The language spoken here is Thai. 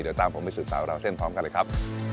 เดี๋ยวตามผมไปสืบสาวราวเส้นพร้อมกันเลยครับ